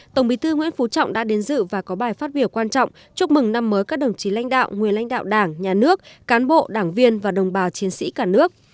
tổng bí thư nguyễn phú trọng đã đến dự và có bài phát biểu quan trọng chúc mừng năm mới các đồng chí lãnh đạo nguyên lãnh đạo đảng nhà nước cán bộ đảng viên và đồng bào chiến sĩ cả nước